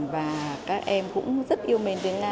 và các em cũng rất yêu mến tiếng nga